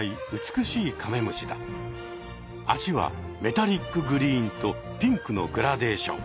あしはメタリックグリーンとピンクのグラデーション。